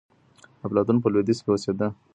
افلاطون په لوېدیځ کي اوسېده.